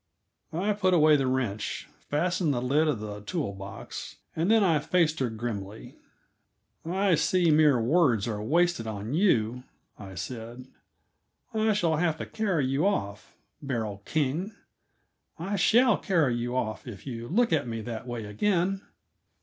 I put away the wrench, fastened the lid of the tool box, and then I faced her grimly. "I see mere words are wasted on you," I said. "I shall have to carry you off Beryl King; I shall carry you off if you look at me that way again!"